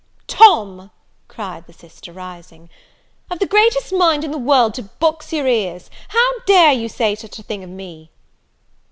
"Tom," cried the sister, rising, "I've the greatest mind in the world to box your ears! How dare you say such a thing of me!"